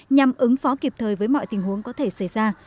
nhằm ứng phó kịp thời với mọi tình huống có thể xảy ra